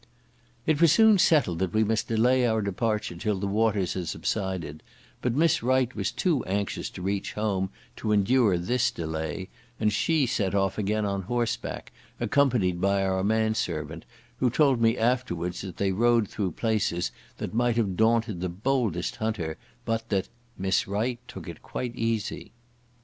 It was soon settled that we must delay our departure till the waters had subsided, but Miss Wright was too anxious to reach home to endure this delay and she set off again on horseback, accompanied by our man servant, who told me afterwards that they rode through places that might have daunted the boldest hunter, but that "Miss Wright took it quite easy."